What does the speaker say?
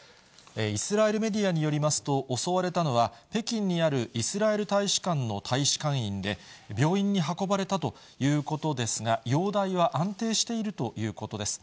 イスラエルメディアによりますと、襲われたのは、北京にあるイスラエル大使館の大使館員で、病院に運ばれたということですが、容体は安定しているということです。